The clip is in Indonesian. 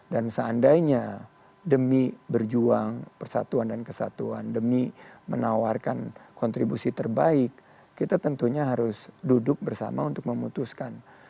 dan seandainya demi berjuang persatuan dan kesatuan demi menawarkan kontribusi terbaik kita tentunya harus duduk bersama untuk memutuskan